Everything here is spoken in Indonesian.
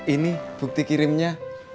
ini bukti kirimnya